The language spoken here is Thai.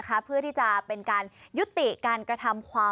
คือมันมีจังหวะแบบว่า